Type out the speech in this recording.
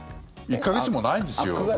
１か月もないんですよ。